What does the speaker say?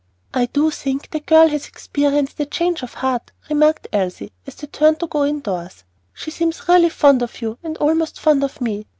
"I do think that girl has experienced a change of heart," remarked Elsie, as they turned to go in doors. "She seems really fond of you, and almost fond of me.